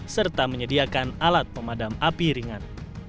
serta menyediakan alat pemadam api ringan